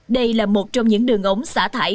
đây là một trong những đường ống xả thải